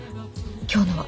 今日のは。